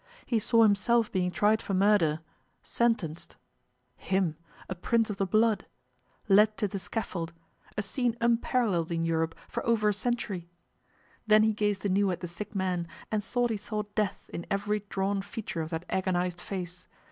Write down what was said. He saw himself being tried for murder, sentenced (him a Prince of the blood!), led to the scaffold... a scene unparalleled in Europe for over a century! ... Then he gazed anew at the sick man, and thought he saw death in every drawn feature of that agonized face.